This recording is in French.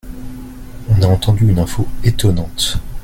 on a entendu une info étonnante.